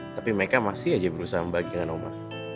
tapi mereka masih aja berusaha membagi dengan oma